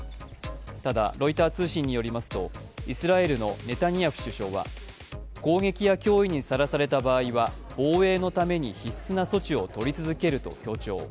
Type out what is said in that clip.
ただ、ロイター通信によりますとイスラエルのネタニヤフ首相は攻撃や脅威にさらされた場合は防衛のために必須な措置を取り続けると強調。